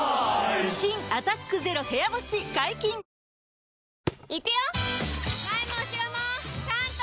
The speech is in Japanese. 新「アタックＺＥＲＯ部屋干し」解禁‼神田さん！